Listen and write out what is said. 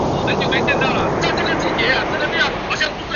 张大受的有一门生名李绂。